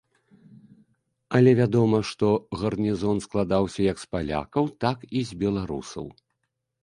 Але вядома, што гарнізон складаўся як з палякаў, так і з беларусаў.